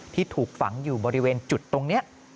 ที่ถูกฝังอยู่บริเวณจุดตรงนี้